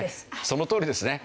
そのとおりですね。